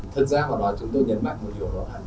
thật ra mà nói chúng tôi nhấn mạnh một điều đó là